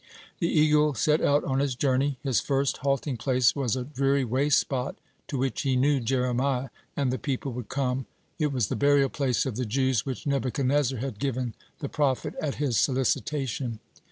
The eagle set out on his journey. His first halting place was a dreary waste spot to which he knew Jeremiah and the people would come it was the burial place of the Jews which Nebuchadnezzar had given the prophet at his solicitation.